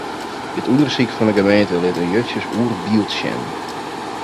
It ûndersyk fan 'e gemeente lit in justjes oar byld sjen.